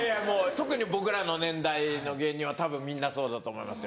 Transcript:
特に僕らの年代の芸人はたぶんみんなそうだと思います。